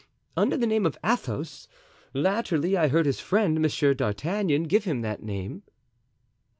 "Under the name of Athos. Latterly I heard his friend, Monsieur d'Artagnan, give him that name."